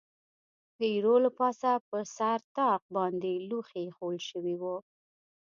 د ایرو له پاسه پر سر طاق باندې لوښي اېښوول شوي و.